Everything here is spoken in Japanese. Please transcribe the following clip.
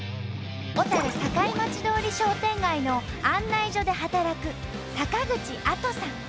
小堺町通り商店街の案内所で働く坂口武さん。